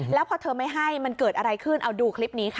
แล้วพอเธอไม่ให้มันเกิดอะไรขึ้นเอาดูคลิปนี้ค่ะ